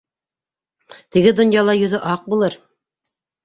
Теге донъяла йөҙө аҡ булыр.